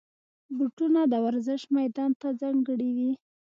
بوټونه د ورزش میدان ته ځانګړي وي.